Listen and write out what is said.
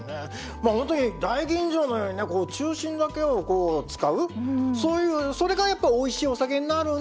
まあ本当に大吟醸のようにね中心だけを使うそれがやっぱりおいしいお酒になるんだ。